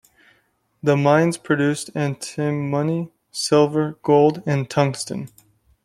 The mines produced antimony, silver, gold and tungsten.